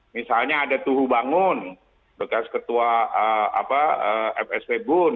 misalnya ada tuhu bangun bekas ketua fsb bumn